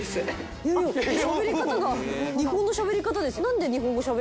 いやいやしゃべり方が日本のしゃべり方です。